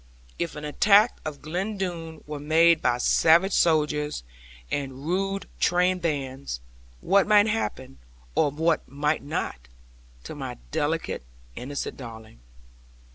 If an attack of Glen Doone were made by savage soldiers and rude train bands, what might happen, or what might not, to my delicate, innocent darling?